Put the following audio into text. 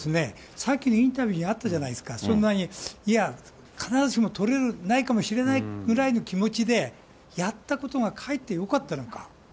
さっきのインタビューにあったじゃないですか、そんなに、いや、必ずしもとれないかもしれないぐらいの気持ちでやったことがかえってよかったのか。